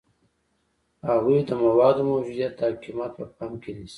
هغوی د موادو موجودیت او قیمت په پام کې نیسي.